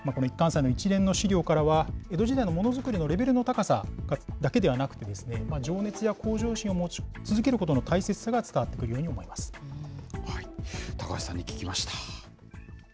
この一貫斎の一連の資料からは、江戸時代のものづくりのレベルの高さだけではなくてですね、情熱や向上心を持ち続けることの大切高橋さんに聞きました。